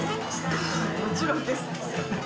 もちろんです。